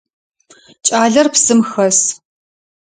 Кӏалэр псым хэс.